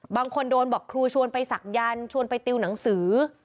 บางคนโดนบอกครูชวนไปศักยันต์ชวนไปติวหนังสือ